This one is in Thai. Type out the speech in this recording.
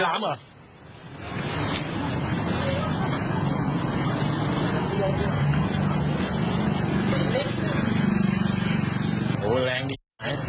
อ๋อแรงดี